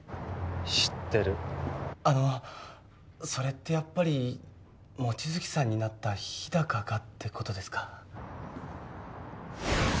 知ってるあのそれってやっぱり望月さんになった日高がってことですか？